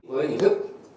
với ý thức